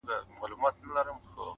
دا د پردیو اجل مه ورانوی!!